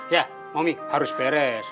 ya mami harus beres